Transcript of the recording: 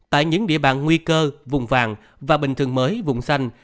tại những địa bàn nguy cơ vùng vàng và bình thường mới vùng xanh